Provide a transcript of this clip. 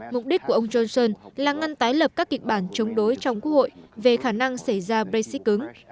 mục đích của ông johnson là ngăn tái lập các kịch bản chống đối trong quốc hội về khả năng xảy ra brexit cứng